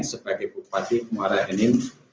sebagai bupati muara ini